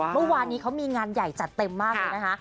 เมื่อวานนี้เขามีงานใหญ่จัดเต็มมากเลยนะคะ